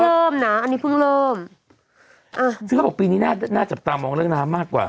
เริ่มนะอันนี้เพิ่งเริ่มอ่าซึ่งเขาบอกปีนี้น่าน่าจับตามองเรื่องน้ำมากกว่า